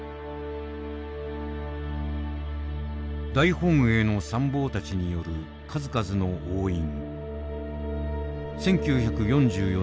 大本営の参謀たちによる数々の押印。